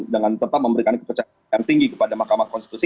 dengan tetap memberikan kepercayaan tinggi kepada makamah konstitusi